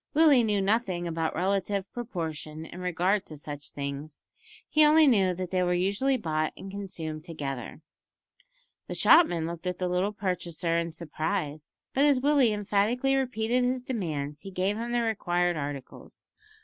Willie knew nothing about relative proportion in regard to such things; he only knew that they were usually bought and consumed together. The shopman looked at the little purchaser in surprise, but as Willie emphatically repeated his demands he gave him the required articles.